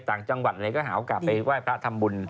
ต่างจังหวัดเลยก็หาโอกาสไปไหว้พระทำบุญ